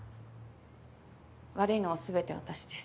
悪いのは全て私です。